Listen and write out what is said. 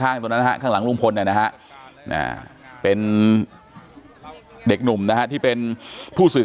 ตรงนั้นนะฮะข้างหลังลุงพลนะฮะเป็นเด็กหนุ่มนะฮะที่เป็นผู้สื่อ